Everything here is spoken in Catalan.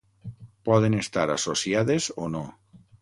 Poden estar associades o no.